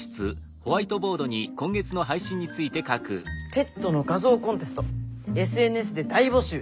「ペットの画像コンテストＳＮＳで大募集！！」。